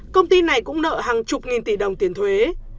công ty này cũng nợ hàng chục nghìn tỷ đồng tiền thuế